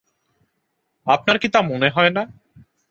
আপনার কি তা মনে হয় না?